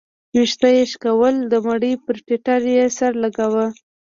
ويښته يې شكول د مړي پر ټټر يې سر لګاوه.